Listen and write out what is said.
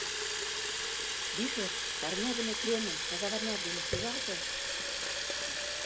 — Вихыр, парнядыме креным казаварнят дене шуралте!